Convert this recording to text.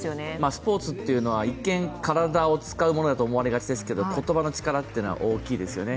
スポーツっていうのは一見、体を使うものだと思いがちですが言葉の力というのは大きいですよね。